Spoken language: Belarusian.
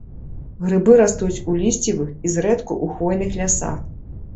Грыбы растуць у лісцевых і зрэдку ў хвойных лясах.